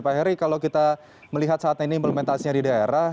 pak heri kalau kita melihat saat ini implementasinya di daerah